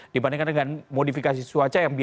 dibandingkan dengan modifikasi cuaca yang berbeda